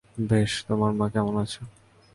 বেশ, - তোমার মা কেমন আছে?